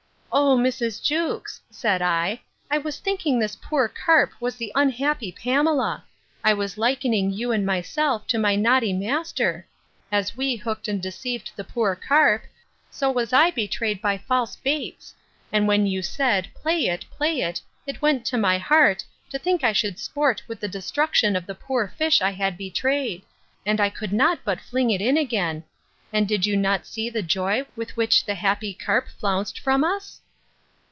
O Mrs. Jewkes! said I, I was thinking this poor carp was the unhappy Pamela. I was likening you and myself to my naughty master. As we hooked and deceived the poor carp, so was I betrayed by false baits; and when you said, Play it, play it, it went to my heart, to think I should sport with the destruction of the poor fish I had betrayed; and I could not but fling it in again: and did you not see the joy with which the happy carp flounced from us?